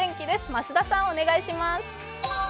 増田さんお願いします。